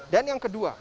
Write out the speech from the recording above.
dan yang kedua